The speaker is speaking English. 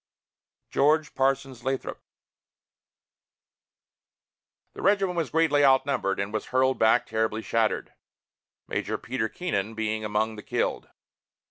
GEORGE PARSONS LATHROP. The regiment was greatly outnumbered, and was hurled back terribly shattered, Major Peter Keenan being among the killed.